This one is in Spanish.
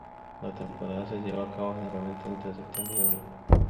La temporada se lleva a cabo generalmente entre septiembre y abril.